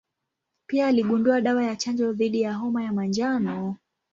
Pia aligundua dawa ya chanjo dhidi ya homa ya manjano.